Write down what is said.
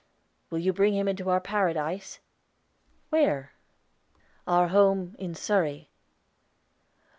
"Will you bring him into our Paradise?" "Where?" "Our home, in Surrey."